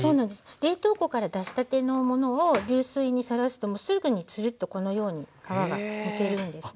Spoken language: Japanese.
冷凍庫から出したてのものを流水にさらすともうすぐにツルッとこのように皮がむけるんですね。